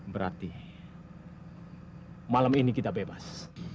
berarti malam ini kita bebas